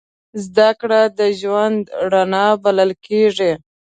زدهکړه د ژوند رڼا بلل کېږي.